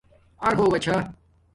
ار ہوگا چھہ